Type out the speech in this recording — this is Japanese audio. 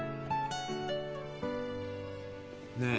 ねえ。